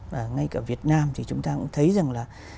và ngay cả việt nam thì chúng ta cũng thấy rằng là